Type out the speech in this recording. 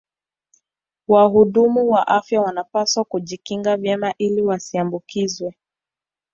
Wahudumu wa afya wanapaswa kujikinga vyema ili wasiambukizwe